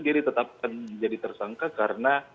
dia ditetapkan menjadi tersangka karena